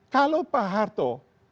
kalau pak harto